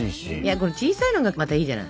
これ小さいのがまたいいじゃない。